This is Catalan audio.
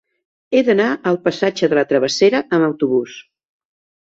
He d'anar al passatge de la Travessera amb autobús.